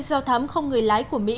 do thám không người lái của mỹ